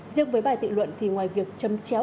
riêng với bài tự luận thì ngoài việc chấm chéo